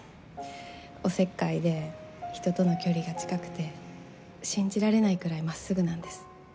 おせっかいで人との距離が近くて信じられないくらい真っすぐなんです。